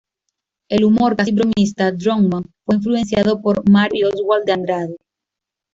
El humor casi bromista Drummond fue influenciado por Mário y Oswald de Andrade.